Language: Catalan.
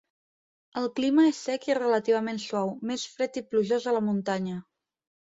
El clima és sec i relativament suau, més fred i plujós a la muntanya.